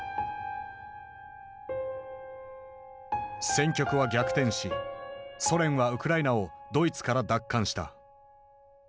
戦局は逆転しソ連はウクライナをドイツから奪還した。